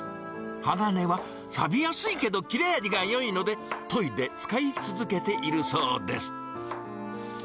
鋼はさびやすいけど、切れ味がよいので、といで使い続けているそうです。